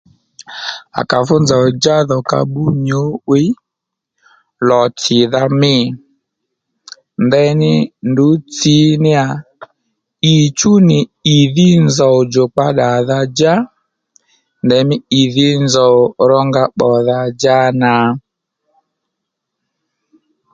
À kà fú nzòw-djá dhò ka bbú nyǔ'wiy lò-tsìdha mî ndení ndrǔ tsǐ níyà ì chú nì ìdhí nzòw djùkpa ddàdha-djá ndèymí ìdhí nzòw rónga pbòdha-djá nà